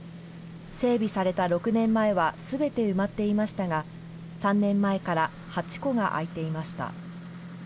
整備された６年前はすべて埋まっていましたが、３年前から８戸が空いていました。